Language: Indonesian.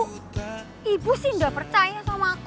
ibu ibu sih gak percaya sama aku